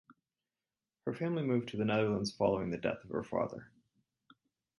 Her family moved to the Netherlands following the death of the father.